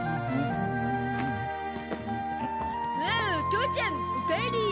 父ちゃん、お帰り！